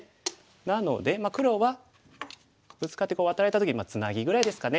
なのでまあ黒はブツカってワタられた時にツナギぐらいですかね。